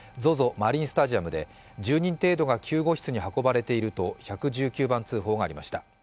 マリンスタジアムで１０人程度が救護室に運ばれていると１１９番通報がありました。